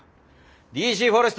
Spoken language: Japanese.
ＤＣフォレスト